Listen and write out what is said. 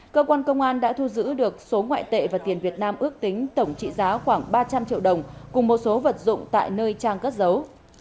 cơ quan công an đã thu giữ được số ngoại tệ và tiền việt nam ước tính tổng trị giá khoảng ba trăm linh triệu đồng cùng một số vật dụng tại nơi trang cất dấu